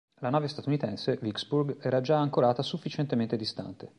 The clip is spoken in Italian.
La nave statunitense, "Vicksburg" era già ancorata sufficientemente distante.